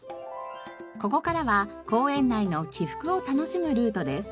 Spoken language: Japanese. ここからは公園内の起伏を楽しむルートです。